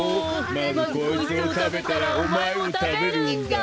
まずこいつをたべたらおまえをたべるんだ！